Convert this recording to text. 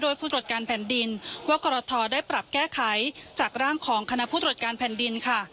โดยผู้ตรวจการแผ่นดินว่ากรทได้ปรับแก้ไขจากร่างของคณะผู้ตรวจการแผ่นดินค่ะ